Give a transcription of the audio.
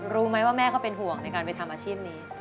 รู้ไหมว่าแม่เขาเป็นห่วงในการไปทำอาชีพนี้